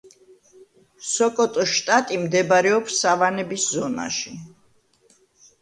სოკოტოს შტატი მდებარეობს სავანების ზონაში.